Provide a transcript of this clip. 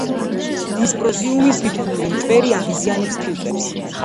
დისპროზიუმის ლითონური მტვერი აღიზიანებს ფილტვებს.